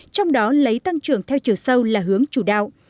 trong đó lấy tăng trưởng theo chiều sâu là hướng chủ đạo